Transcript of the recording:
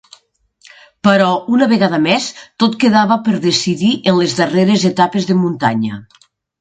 Però, una vegada més, tot quedava per decidir en les darreres etapes de muntanya.